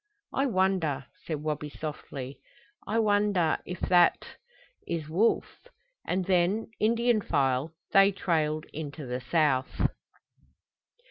"I wonder," said Wabi softly. "I wonder if that is Wolf?" And then, Indian file, they trailed into the south.